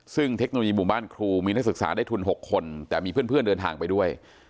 ซึ่งเทคโนโลยีหมู่บ้านครูมีนักศึกษาได้ทุน๖คนแต่มีเพื่อนเดินทางไปด้วย